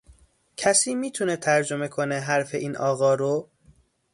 کسی میتونه ترجمه کنه حرف این آقا رو؟